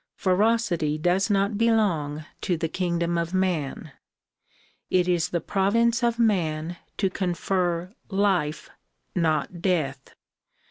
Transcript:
Ferocity does not belong to the kingdom of man. It is the province of man to confer life not death.